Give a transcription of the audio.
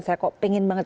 saya kok pengen banget